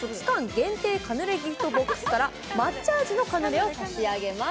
限定カヌレ・ギフトボックスから抹茶味のカヌレを差し上げます。